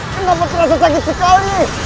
kenapa terasa sakit sekali